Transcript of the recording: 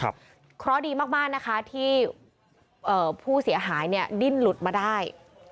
เพราะดีมากนะคะที่ผู้เสียหายเนี่ยดิ้นหลุดมาได้